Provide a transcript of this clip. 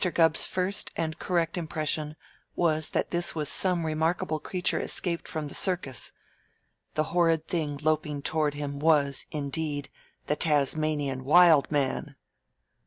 Gubb's first and correct impression was that this was some remarkable creature escaped from the circus. The horrid thing loping toward him was, indeed, the Tasmanian Wild Man!